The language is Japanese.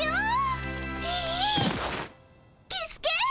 キスケ？